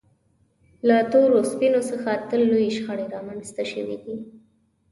له تورو سپینو څخه تل لویې شخړې رامنځته شوې دي.